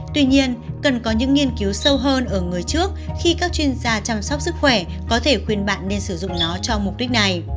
tuy nhiên cần có những nghiên cứu sâu hơn ở người trước khi các chuyên gia chăm sóc sức khỏe có thể khuyên bạn nên sử dụng nó cho mục đích này